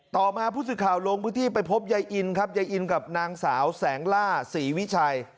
ต่อมาผู้สื่อข่าวลงพื้นที่ไปพบยายอินครับยายอินกับนางสาวแสงล่าศรีวิชัย